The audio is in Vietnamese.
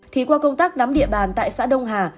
thì qua công tác nắm địa bàn tại xã đông hà